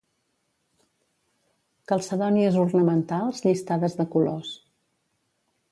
Calcedònies ornamentals llistades de colors.